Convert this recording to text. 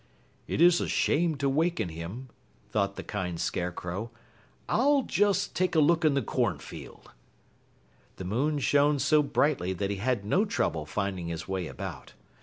"It is a shame to waken him," thought the kind Scarecrow. "I'll just take a look in the cornfield." The moon shone so brightly that he had no trouble finding his way about.